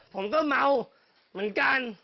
ผมก็เมาเหมือนกัน